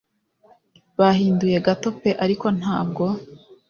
Bahinduye gato pe ariko ntabwo